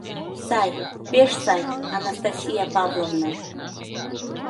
Сай, пеш сай, Анастасия Павловна.